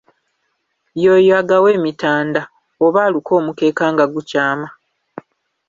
Y'oyo agawa emitanda oba aluka omukeeka nga gukyama.